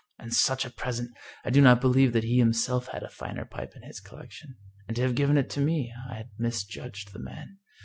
And such a present! I do not believe that he himself had a finer pipe in his collection. And to have given it to me I I had misjudged the man.